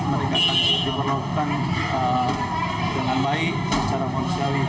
mereka akan diperlakukan dengan baik secara manusiawi